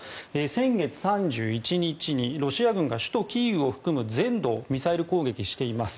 先月３１日、ロシア軍が首都キーウを含む全土をミサイル攻撃しています。